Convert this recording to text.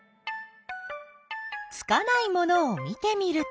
つかないものを見てみると。